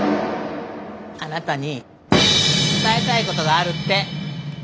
あなたに伝えたいことがあるって。